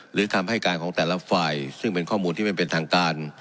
หรือคำให้การของแต่ละฝ่ายซึ่งเป็นข้อมูลที่ไม่เป็นทางการ